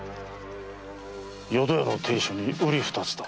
淀屋の亭主に瓜二つだ。